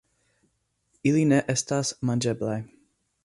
Ili ne estas manĝeblaj.